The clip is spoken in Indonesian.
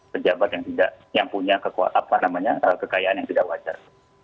pejabat yang punya kekuatan apa namanya kekayaan yang tidak wajar